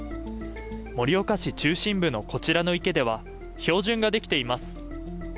盛岡市中心部のこちらの池では、氷筍が出来ています。